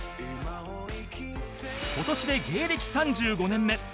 今年で芸歴３５年目